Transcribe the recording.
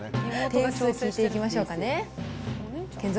点数を聞いていきましょうかね。